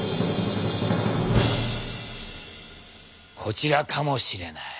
こちらかもしれない。